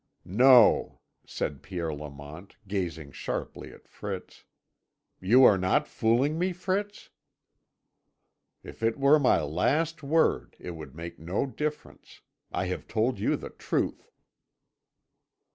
"No," said Pierre Lamont, gazing sharply at Fritz. "You are not fooling me, Fritz?" "If it were my last word it would make no difference. I have told you the truth."